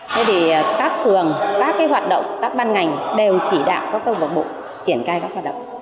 thế thì các phường các cái hoạt động các ban ngành đều chỉ đạo các câu lạc bộ triển khai các hoạt động